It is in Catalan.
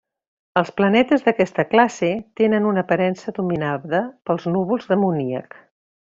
Els planetes d'aquesta classe tenen una aparença dominada pels núvols d'amoníac.